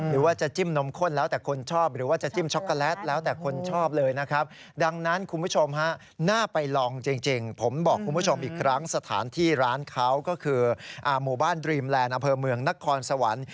ร้านเขาก็คือหมู่บ้านดรีมแลนด์อเภอเมืองนครสวรรค์